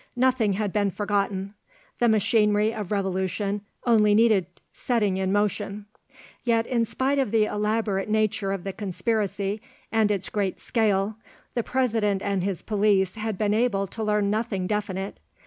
Nothing had been forgotten; the machinery of revolution only needed setting in motion. Yet in spite of the elaborate nature of the conspiracy and its great scale, the President and his police had been able to learn nothing definite.